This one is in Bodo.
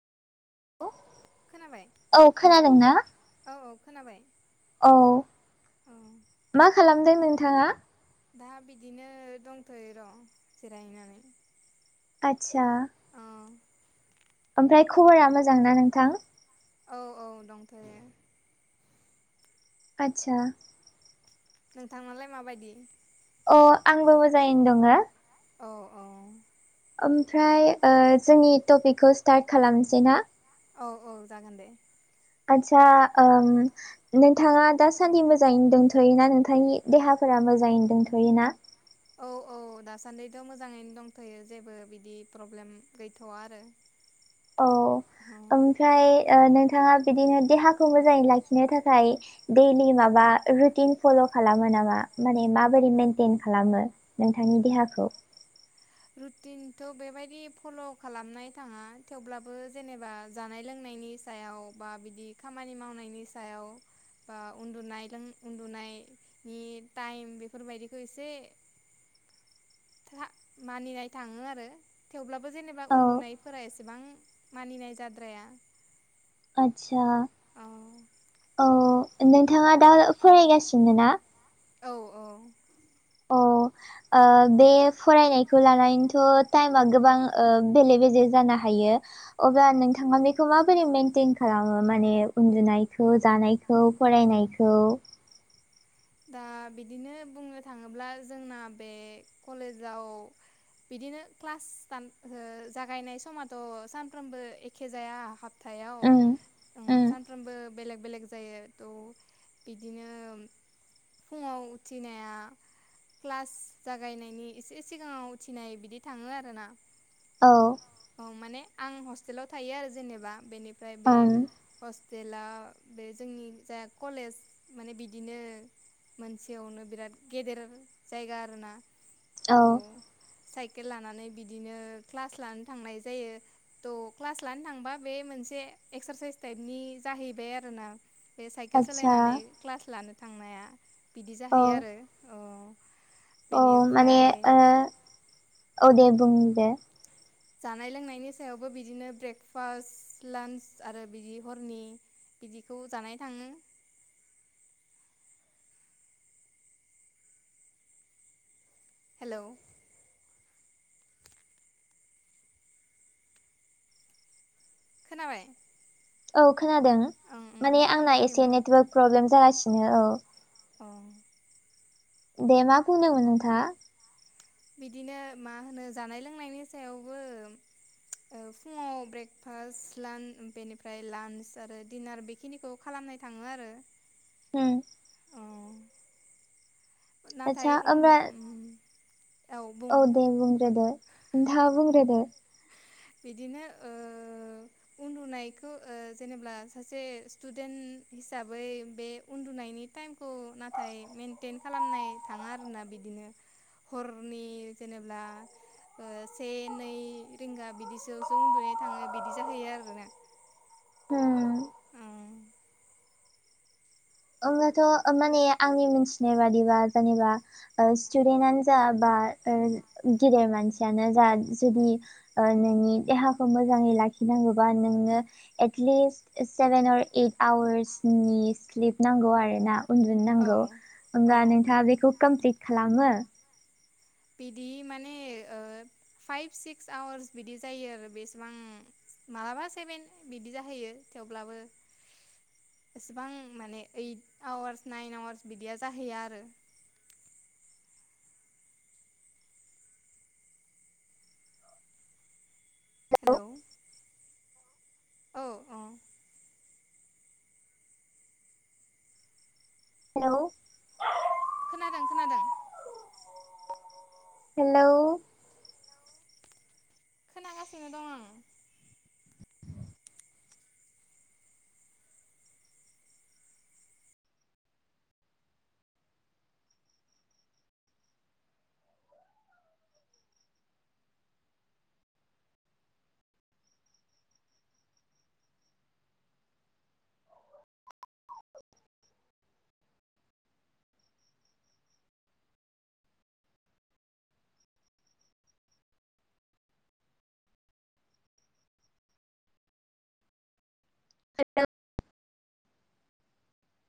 औ खोनाबाय औ खोनादोंना खोनादोंना‌ औ खोनाबाय। औ औ मा खालामदों नोंथाङा? दा बिदिनो दंथ'यो र' जिरायनानै आदसा औ। ओमफ्राय खबरा मोजां ना नोंथां? औ-औ दंथयो आदसा नोंथानालाय मा बायदि? अ आंबो मोजाङैनो दङो औ औ। ओमफ्राय जोंनि टपिकखौ स्टार्ट खालामनोसै ना? औ औ जागोन दे। आदसा नोंथाङा दासान्दि मोजाङै दंथ'यो ना नोंथांनि। देहाफोरा मोजाङैनो दोंथ'योना। ना औ औ दासान्दिथ' मोजाङैनो दंथ'यो जेबो बिदि प्रब्लेम गैथ'आ आरो। औ औ। ओमफ्राय नोंथाङा बिदिनो देहाखौ मोजाङै लाखिनो थाखाय। दैलि माबा रुटिन फल' खालामो नामा माने माबोरै मेइनटेन खालामो। नोंथांनि देहाखौ रुटिनथ' बेबायदि फल' खालामनाय थाङा थेवब्लाबो जेनेबा जानाय लोंनायनि। सायाव बा बिदि खामानि मावनायनि सायाव। बा उन्दुनाय लों उन्दुनायनि टाइम बेफोरबायदिखौ एसे। मानिनाय थाङो आरो थेवब्लाबो जेनेबा औ उन्दुनायफोरा एसे एसेबां मानिनाय जाद्राया आतसा औ औ नोंथाङा दा फरायगासिनो ना औ-औ अ बे फरायनायखौ लानानैथ टाइमा गोबां बेले बेजे जानो हायो अब्ला नोंथाङा बेखौ माबोरै मेनन्टेन खालामो माने उन्दुनायखौ जानायखौ फरायनायखौ दा बिदिनो बुंनो थाङोब्ला जोंना बे कलेजाव बिदिनो क्लासान जागायनाय समाथ सानफ्रोमबो एखे जाया हाबथायाव उम उम सानफ्रामबो बेलेग बेलेग जायो थ बिदिनो फुङाव उथिनाया क्लास जागायनायनि एसे सिगाङाव उथिनाय बिदि थाङो आरोना औ औ माने आं हस्टेलाव थायो आरो जेनेबा बेनिफ्राय बे ओम हस्टेला बे जोंनि जा कलेज माने बिदिनो मोनसेयावनो बिराद गेदेर जायगा आरोना थ औ साइकेल लानानै बिदिनो क्लास लानो थांनाय जायो थ क्लास लानो थांबा बे मोनसे एक्सरेसाइस टाइपनि जाहैबाय आरोना बे साइकेल आदसा सालायनानै क्लास लानो थांनाया बिदि जाहैयो आरो औ अ माने बेनिफ्राय अ दे बुं दे जानाय लोंनायनि सायावबो बिदिनो ब्रेकफास्ट लान्च आरो बिदि हरनि बिदिखौबो जानाय थाङो हेलौ खोनाबाय औ खोनादों ओं माने ओं आंना एसे खोनायाखैमोन आं नेटवार्क प्रब्लेम जागासिनो औ अ दे मा बुंदोंमोन नोंथाङा बिदिनो मा होनो जानाय लोंनायनि सायावबो फुङाव ब्रेकफास्ट बेनिफ्राय लान्च आरो डिनार बेखिनिखौ खालामनाय थाङो आरो उम अ आदसा नाथाय उन ओमब्ला [unintelligible] औ दे बुंग्रोदो नोंथाङा बुंग्रोदो बिदिनो ओ उन्दुनायखौ जेनेबा सासे स्टुदेन्ट हिसाबै बे उन्दुनायनि टाइमखौ नाथाय मेेनटेन खालामनाय थाङा आरोना बिदिनो हरनि जेनेब्ला से नै रिंगा बिदि बिदिसोआवसो उन्दुनाय थाङो बिदि जाहैयो आरोना [unintelligible] होम औ ओरैनोथ माने आंनि मिथिनाय बादिबा जेनेबा स्टुदेन्टनो जा बा गेदेर मानसियानो जा जुदि नोंनि देहाखौ मोजाङै लाखिनांगौबा नोंनो एटलिस्ट सेभेन अर ओइट आवार्सनि स्लिप नांगौ आरोना उन्दु औ नांगौ औ होमबा नोंथाङा बेखौ कमप्लिट खालामो बिदि माने फाइभ सिक्स आवार्स बिदि जायो आरो बेसेबां मालाबा सेभेन बिदि जाहैयो थेवब्लाबो एसेबां माने ओइट आवार्स नाइन आवार्स बिदिया जाहैयो आरो हेल' औ औ हेल' खोनादों खोनादों हेलौ खोनागासिनो दं आं आदा [unintelligible]